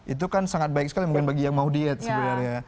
itu kan sangat baik sekali mungkin bagi yang mau diet sebenarnya